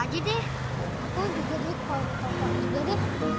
aku juga deh sop sop juga deh